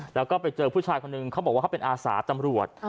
แล้วก็ไปเจอผู้ชายคนหนึ่งเขาบอกว่าเขาเป็นอาสาตำรวจ